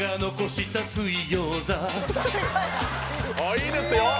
いいですよ。